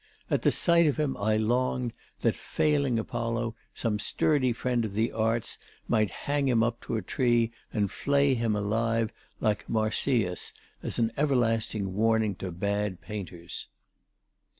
At sight of him, I longed that, failing Apollo, some sturdy friend of the arts might hang him up to a tree and flay him alive like Marsyas as an everlasting warning to bad painters."